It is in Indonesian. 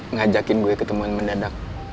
ngajakin gue ketemu andi